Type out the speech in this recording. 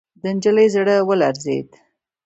د نجلۍ زړه ولړزېد.